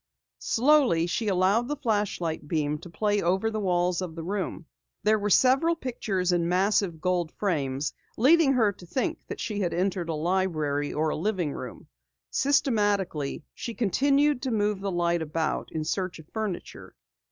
Slowly she allowed the flashlight beam to play over the walls of the room. There were several pictures in massive gold frames, leading her to think that she had entered a library or living room. Systematically, she continued to move the light about in search of furniture.